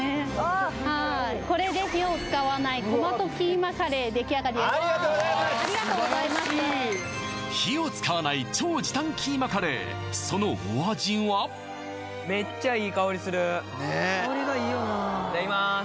これで火を使わないトマトキーマカレーできあがりですありがとうございますありがとうございます火を使わないめっちゃいい香りする香りがいいよないただきまーす